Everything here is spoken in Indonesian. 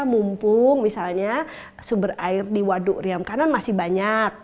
mumpung misalnya sumber air di waduk riam kanan masih banyak